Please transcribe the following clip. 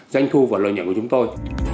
doanh thu và lợi nhận của chúng tôi